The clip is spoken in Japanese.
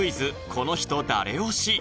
この人、誰推し？」